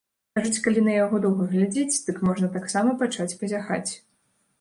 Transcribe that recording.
Кажуць, калі на яго доўга глядзець, дык можна таксама пачаць пазяхаць.